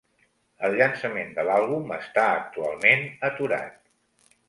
El llançament de l'àlbum està actualment aturat.